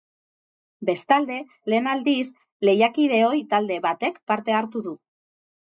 Bestalde, lehen aldiz lehiakide ohi talde batek parte hartuko du.